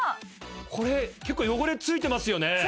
これ結構汚れついてますよね